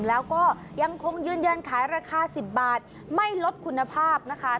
แล้วก็ยังคงยืนยันขายราคา๑๐บาทไม่ลดคุณภาพนะคะ